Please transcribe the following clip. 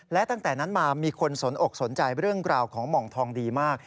และตั้งแต่นั้นมามีคนสนอกสนใจเรื่องราวของหม่องทองดีมาก